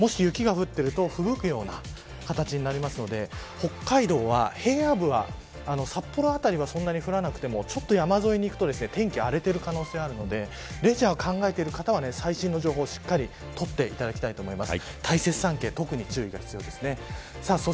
もし雪が降ってるとふぶくような形になりますので北海道は平野部や札幌辺りは降らなくても山沿いに行くと天気が荒れている可能性があるのでレジャーを考えている方は最新の情報をしっかり取っていただきたいと思います。